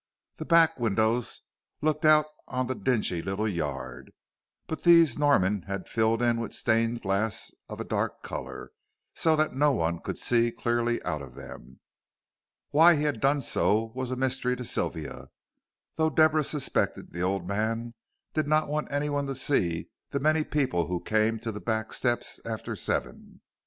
The back windows looked out on the dingy little yard, but these Norman had filled in with stained glass of a dark color, so that no one could see clearly out of them. Why he had done so was a mystery to Sylvia, though Deborah suspected the old man did not want anyone to see the many people who came to the back steps after seven.